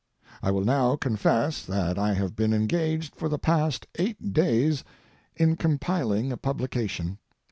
I will now confess that I have been engaged for the past eight days in compiling a publication.